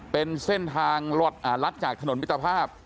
เป็นเส้นทางลัดจากถนนมิตรภาพ